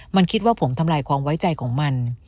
มันคิดว่าผมทำลายความไว้ใจของมัน